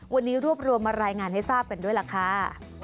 วันนี้รวบรวมมารายงานให้ทราบกันด้วยล่ะค่ะ